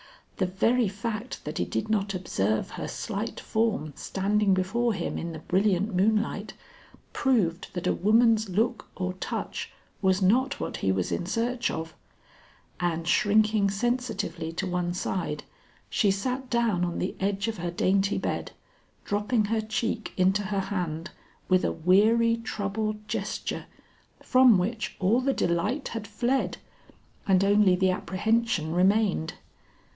The very fact that he did not observe her slight form standing before him in the brilliant moonlight, proved that a woman's look or touch was not what he was in search of; and shrinking sensitively to one side, she sat down on the edge of her dainty bed, dropping her cheek into her hand with a weary troubled gesture from which all the delight had fled and only the apprehension remained.